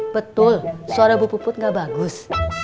betul suara bu puput gak bagus